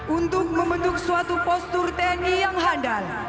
untuk membentuk suatu postur tni yang handal